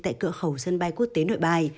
tại cửa khẩu sân bay quốc tế nội bài